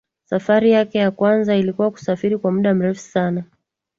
safari yake ya kwanza ilikuwa kusafiri kwa muda mrefu sana